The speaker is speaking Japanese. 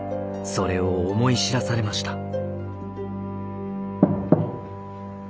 それを思い知らされました。